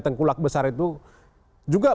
tengkulak besar itu juga